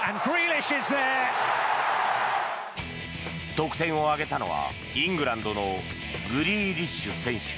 得点を挙げたのはイングランドのグリーリッシュ選手。